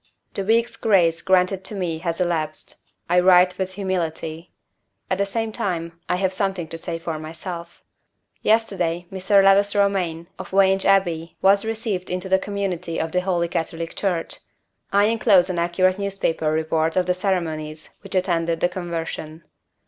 The week's grace granted to me has elapsed. I write with humility. At the same time I have something to say for myself. Yesterday, Mr. Lewis Romayne, of Vange Abbey, was received into the community of the Holy Catholic Church. I inclose an accurate newspaper report of the ceremonies which attended the conversion.